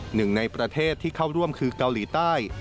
หนึ่งในประเทศที่เข้าร่วมคือเกาหลีใต้